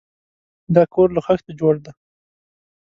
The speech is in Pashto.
دا کور له خښتو جوړ دی.